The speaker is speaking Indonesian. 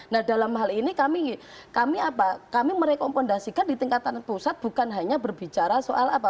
nah dalam hal ini kami merekomendasikan di tingkatan pusat bukan hanya berbicara soal apa